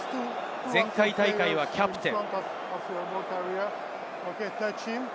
前回大会キャプテン。